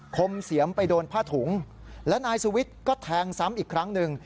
คมเสียมไปโดนผ้าถุงและนายสุวิทย์ก็แทงซ้ำอีกครั้งหนึ่ง